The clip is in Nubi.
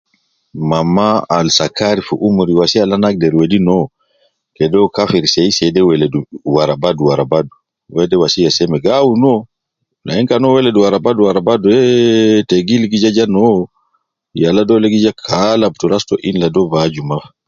Mama al sakar fi umur wasiya al ana agideri wedi na uwo, kede uwo kafir seyiseyi de weledu wara badu warabadu, deya wasiya al seme bi awun, bi awun uwo. Lakin kan uwo weledu wara badu warabadu, eeee, tegil de gi ja jaa, na uwo. Yalaa de gi ja kalabutu ras to laadi uwo bi aju ma.